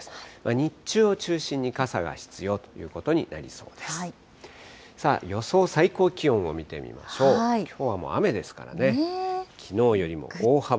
日中を中心に傘が必要ということになりそうです。